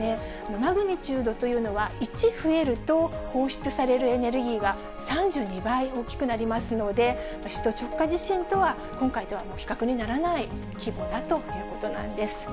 マグニチュードというのは、１増えると、放出されるエネルギーは３２倍大きくなりますので、首都直下地震とは、今回とは比較にならない規模だということなんです。